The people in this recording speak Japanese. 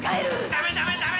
ダメダメダメ！